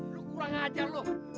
lo kurang ajar lo